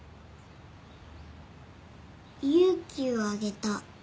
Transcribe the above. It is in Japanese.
勇気をあげた。